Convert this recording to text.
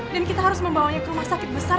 dan kita harus membawanya ke rumah sakit besar